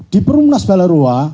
di perumnas ballarua